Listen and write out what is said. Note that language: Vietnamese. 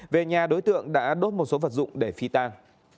về nhà đối tượng đã đốt một số vật dụng để phi tang